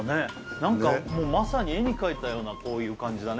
何かもうまさに絵に描いたようなこういう感じだね